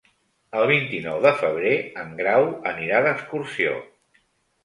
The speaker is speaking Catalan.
El vint-i-nou de febrer en Grau anirà d'excursió.